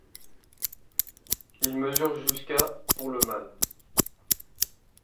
Il mesure jusqu'à pour le mâle.